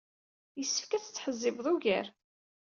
Yessefk ad tettḥezzibeḍ ugar.